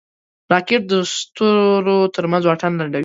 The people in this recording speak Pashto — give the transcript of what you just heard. راکټ د ستورو ترمنځ واټن لنډوي